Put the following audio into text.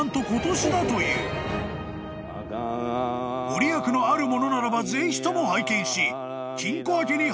［御利益のあるものならばぜひとも拝見し］